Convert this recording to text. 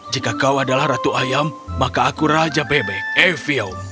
jika kau adalah ratu ayam maka aku raja bebek evium